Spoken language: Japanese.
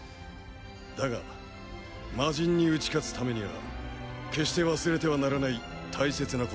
だが魔人に打ち勝つためには決して忘れてはならない大切な事がある。